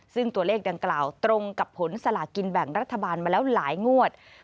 ซึ่งตัวเลขดังกล่าวตรงกับผลสลากินแบ่งรัฐบาลมาแล้วหลายงวด